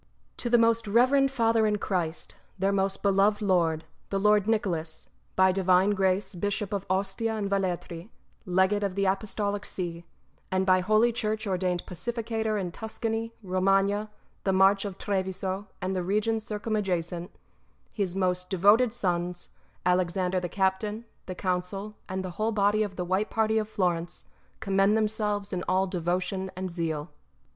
To the most reverend Father in Christ, their most beloved Lord, the Lord Nicholas, by divine grace JBishop of Ostia and Velletri, Legate of the Apostolic See, and by Holy Church ordained Pacificator in Tuscany, Bomagna, the March of Treviso, and the regions circumadjacent, his most devoted sons, Alexander the Captain, the Council, and the ivhole body of the WJiite Party of Plorence, commend themselves in all devotion and zeal.